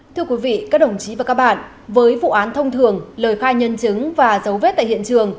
thưa quý vị các đồng chí và các bạn với vụ án thông thường lời khai nhân chứng và dấu vết tại hiện trường